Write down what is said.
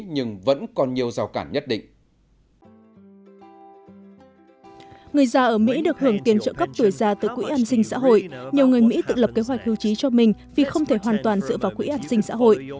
người già ở mỹ được hưởng tiền trợ cấp tuổi già từ quỹ an sinh xã hội nhiều người mỹ tự lập kế hoạch hưu trí cho mình vì không thể hoàn toàn dựa vào quỹ an sinh xã hội